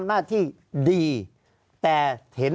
ภารกิจสรรค์ภารกิจสรรค์